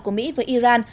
của mỹ với iran